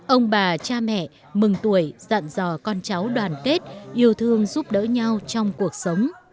ông bà cha mẹ mừng tuổi dặn dò con cháu đoàn kết yêu thương giúp đỡ nhau trong cuộc sống